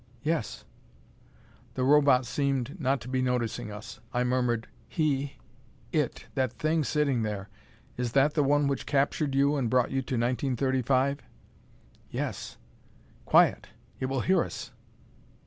"Yes." The Robot seemed not to be noticing us. I murmured, "He it that thing sitting there is that the one which captured you and brought you to 1935?" "Yes. Quiet! It will hear us."